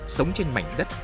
sống trên mảnh đất